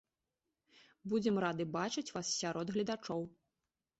Будзем рады бачыць вас сярод гледачоў!